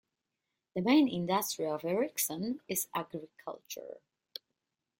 The main industry of Erickson is agriculture.